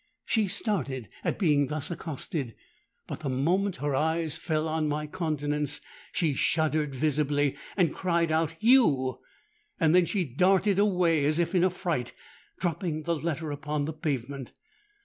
—She started at being thus accosted; but the moment her eyes fell on my countenance, she shuddered visibly, and cried out, 'You!'—then she darted away as if in affright, dropping the letter upon the pavement.